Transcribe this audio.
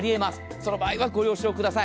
その場合はご了承ください。